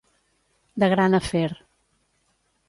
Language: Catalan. De gran afer.